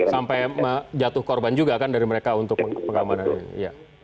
sampai jatuh korban juga kan dari mereka untuk pengamanannya